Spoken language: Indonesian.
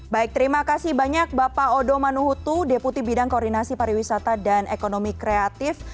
baik terima kasih banyak bapak odo manuhutu deputi bidang koordinasi pariwisata dan ekonomi kreatif